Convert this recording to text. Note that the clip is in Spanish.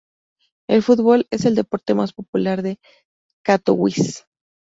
El fútbol es el deporte más popular de Katowice.